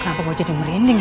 kenapa gue jadi merinding ya